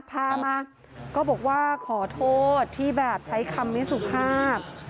พามาก็บอกว่าขอโทษที่แบบใช้คำไม่สุภาพ